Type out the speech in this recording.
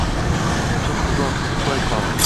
Tun uzoq, uxlayqol